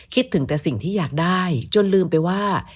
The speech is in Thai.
คิดถึงแต่สิ่งที่อยากได้จนลืมไปว่า